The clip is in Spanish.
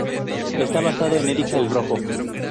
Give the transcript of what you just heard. Está basado en Erik el Rojo.